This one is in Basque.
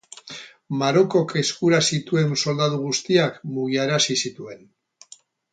Marokok eskura zituen soldadu guztiak mugiarazi zituen